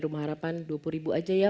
rumah harapan dua puluh ribu aja ya